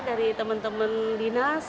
dari teman teman dinas